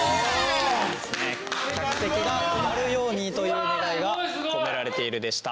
客席が埋まるようにという願いが込められているでした。